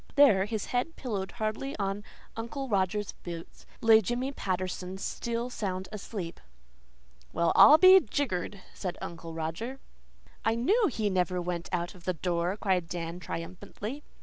There, his head pillowed hardly on Uncle Roger's boots, lay Jimmy Patterson, still sound asleep! "Well, I'll be jiggered!" said Uncle Roger. "I KNEW he never went out of the door," cried Dan triumphantly.